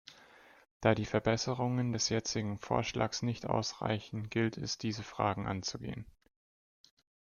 Da die Verbesserungen des jetzigen Vorschlags nicht ausreichen, gilt es, diese Fragen anzugehen.